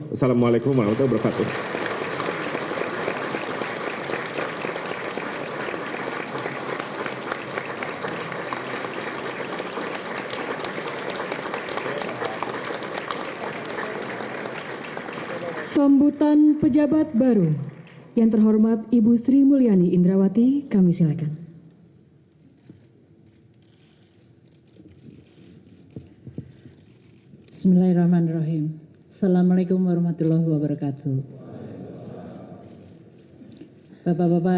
assalamualaikum warahmatullahi wabarakatuh